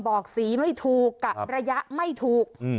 บอกสีไม่ถูกกะระยะไม่ถูก